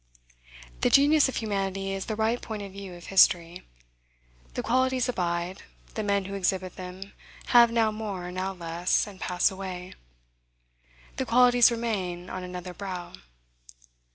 The genius of humanity is the right point of view of history. The qualities abide; the men who exhibit them have now more, now less, and pass away; the qualities remain on another brow.